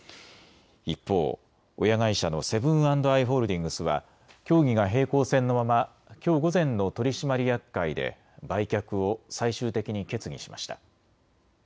一方、親会社のセブン＆アイ・ホールディングスは協議が平行線のままきょう午前の取締役会で売却を最終的に決議しました。